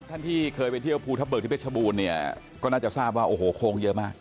ท่านที่เคยไปเที่ยวภูทับเบิกที่เพชรบูรณ์เนี่ยก็น่าจะทราบว่าโอ้โหโค้งเยอะมาก